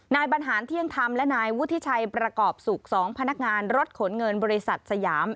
นายบรรหารเที่ยงธรรมและนายวุฒิชัยประกอบศุกร์๒พนักงานรถขนเงินบริษัทสยาม